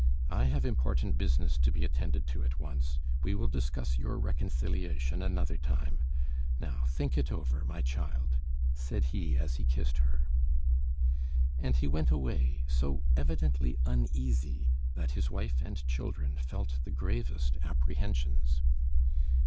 I have important business to be attended to at once; we will discuss your reconciliation another time. Now, think it over, my child," said he as he kissed her. And he went away, so evidently uneasy, that his wife and children felt the gravest apprehensions.